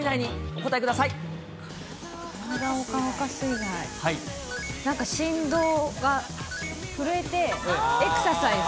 なんか振動が、震えてエクササイズ。